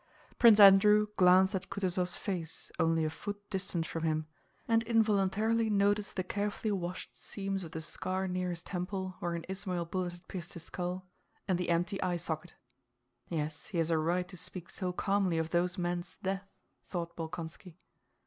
Prince Andrew glanced at Kutúzov's face only a foot distant from him and involuntarily noticed the carefully washed seams of the scar near his temple, where an Ismail bullet had pierced his skull, and the empty eye socket. "Yes, he has a right to speak so calmly of those men's death," thought Bolkónski.